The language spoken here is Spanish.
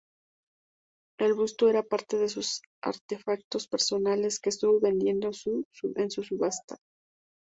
El busto era parte de sus artefactos personales que estuvo vendiendo en subasta.